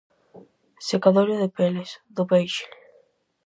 Secadoiro de peles, do peixe.